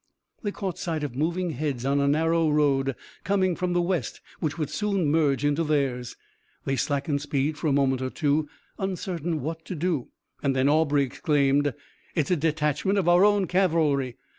They caught sight of moving heads on a narrow road coming from the west which would soon merge into theirs. They slackened speed for a moment or two, uncertain what to do, and then Aubrey exclaimed: "It's a detachment of our own cavalry.